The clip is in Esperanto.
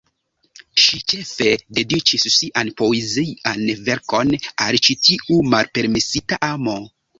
Ŝi ĉefe dediĉis sian poezian verkon al ĉi tiu malpermesita amo.